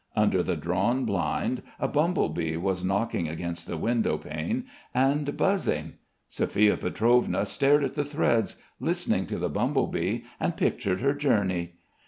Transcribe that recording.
Under the drawn blind a bumble bee was knocking against the window pane and buzzing. Sophia Pietrovna stared at the threads, listened to the bumble bee and pictured her journey....